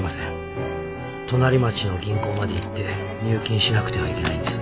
隣町の銀行まで行って入金しなくてはいけないんです。